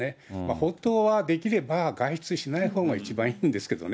本当はできれば外出しないほうが一番いいんですけれどもね。